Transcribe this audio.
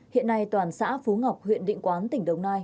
hiện nay toàn xã phú ngọc huyện định quán tỉnh đồng nai